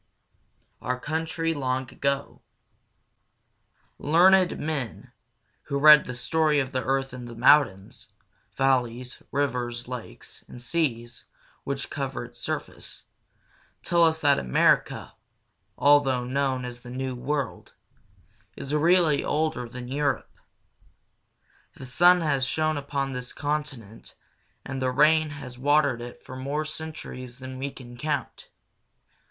OUR COUNTRY LONG AGO. Learned men, who read the story of the earth in the mountains, valleys, rivers, lakes, and seas which cover its surface, tell us that America, although known as the New World, is really older than Europe. The sun has shone upon this continent and the rain has watered it for more centuries than we can count.